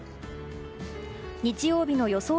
日曜日の予想